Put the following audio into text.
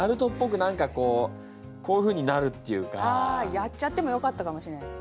やっちゃってもよかったかもしれないです。